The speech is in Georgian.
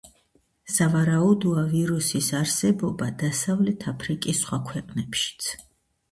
სავარაუდოა ვირუსის არსებობა დასავლეთ აფრიკის სხვა ქვეყნებშიც.